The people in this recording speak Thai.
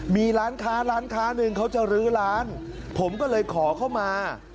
มีร้านค้าร้านค้าหนึ่งเขาจะลื้อร้านผมก็เลยขอเข้ามา